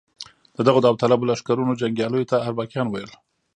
د دغو داوطلبو لښکرونو جنګیالیو ته اربکیان ویل.